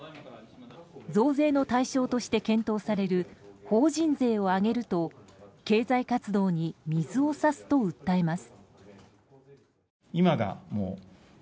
増税の対象として検討される法人税を上げると経済活動に水を差すと訴えます。